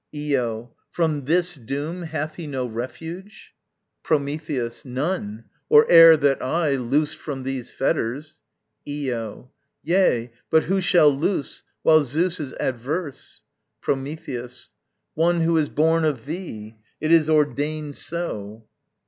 Io. From this doom Hath he no refuge? Prometheus. None: or ere that I, Loosed from these fetters Io. Yea but who shall loose While Zeus is adverse? Prometheus. One who is born of thee: It is ordained so.